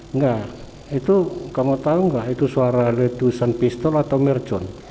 enggak itu kamu tahu nggak itu suara letusan pistol atau mercon